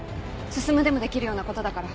進でもできるようなことだから。